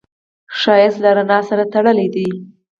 ښایست له رڼا سره تړلی دی